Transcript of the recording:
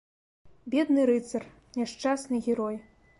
Бедны рыцар, няшчасны герой!